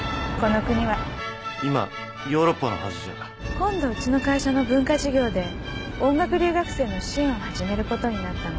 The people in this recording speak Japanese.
今度うちの会社の文化事業で音楽留学生の支援を始めることになったの。